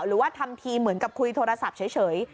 หรือว่าทำทีเหมือนกับคุยโทรศัพท์เฉย